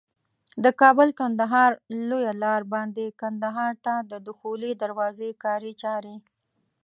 د کابل کندهار لویه لار باندي کندهار ته د دخولي دروازي کاري چاري